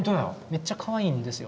めっちゃかわいいんですよ。